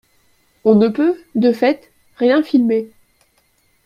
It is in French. On ne peut, de fait, rien filmer.